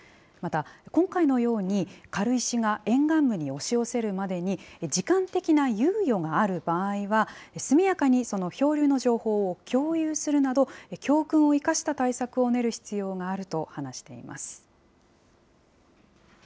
また、今回のように、軽石が沿岸部に押し寄せるまでに、時間的な猶予がある場合は、速やかにその漂流の情報を共有するなど、教訓を生かした対策を練る必要があると話しています。